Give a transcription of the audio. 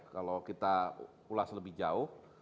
kalau kita ulas lebih jauh